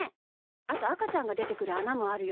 あとあかちゃんがでてくるあなもあるよ。